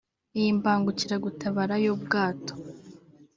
Iyi mbangukiragutabara y’ubwato